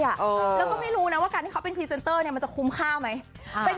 อะแล้วก็ไม่รู้เนี้ยว่าการที่เขาเป็นมันจะคุ้มค่าไหมเป็น